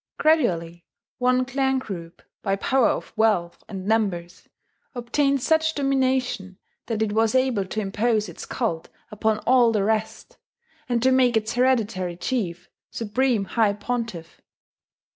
Gradually one clan group, by power of wealth and numbers, obtained such domination that it was able to impose its cult upon all the rest, and to make its hereditary chief Supreme High Pontiff.